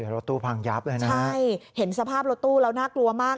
รถตู้พังยับเลยนะใช่เห็นสภาพรถตู้แล้วน่ากลัวมาก